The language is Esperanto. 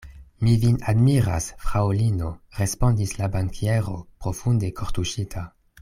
Mi vin admiras, fraŭlino, respondis la bankiero profunde kortuŝita.